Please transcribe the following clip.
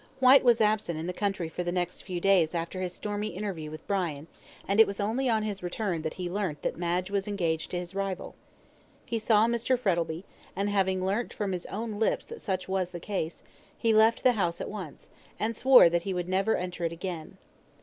Whyte was absent in the country for the next few days after his stormy interview with Brian, and it was only on his return that he learnt that Madge was engaged to his rival. He saw Mr. Frettlby, and having learnt from his own lips that such was the case, he left the house at once, and swore that he would never enter it again.